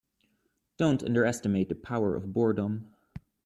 Don't underestimate the power of boredom.